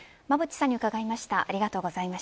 馬渕さんに伺いました。